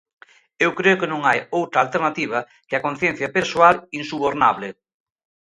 Eu creo que non hai outra alternativa que a conciencia persoal insubornable.